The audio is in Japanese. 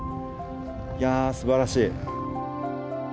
いやすばらしい！